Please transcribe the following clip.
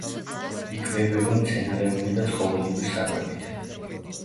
იკვებება მცენარეული და ცხოველური საკვებით.